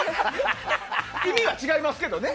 意味が違いますけどね。